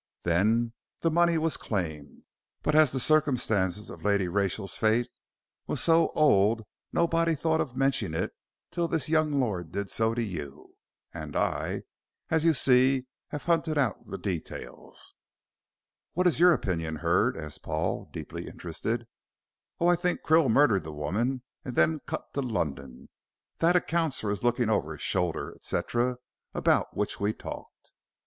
Then the money was claimed, but as the circumstance of Lady Rachel's fate was so old, nobody thought of mentioning it till this young lord did so to you, and I as you see have hunted out the details." "What is your opinion, Hurd?" asked Paul, deeply interested. "Oh, I think Krill murdered the woman and then cut to London. That accounts for his looking over his shoulder, etc., about which we talked."